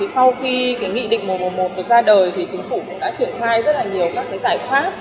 sau khi nghị định một trăm một mươi một được ra đời chính phủ cũng đã truyền thai rất nhiều các giải pháp